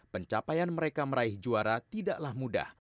pencapaian mereka meraih juara tidaklah mudah